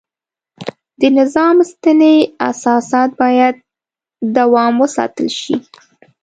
د نظام سنتي اساسات باید دوام وساتل شي.